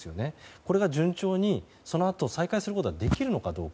これが順調にそのあと再開することはできるのかどうか。